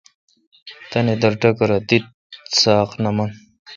تانی در ٹکرہ ۔دی تہ ساق نہ من